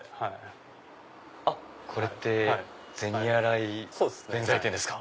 これって銭洗弁財天ですか？